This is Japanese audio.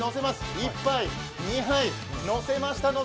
１杯、２杯、のせました。